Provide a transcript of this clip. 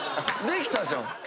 できたじゃん。